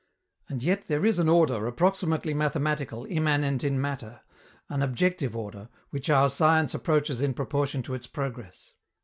And yet there is an order approximately mathematical immanent in matter, an objective order, which our science approaches in proportion to its progress.